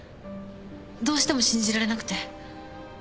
どうしても信じられなくて。